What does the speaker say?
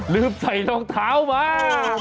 ลืมใส่รองเท้ามา